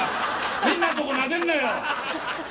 ・変なとこなでるなよ！